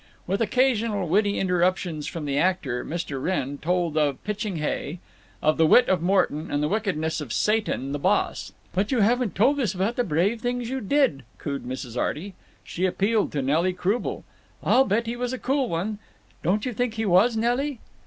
With occasional witty interruptions from the actor, Mr. Wrenn told of pitching hay, of the wit of Morton, and the wickedness of Satan, the boss. "But you haven't told us about the brave things you did," cooed Mrs. Arty. She appealed to Nelly Croubel: "I'll bet he was a cool one. Don't you think he was, Nelly?"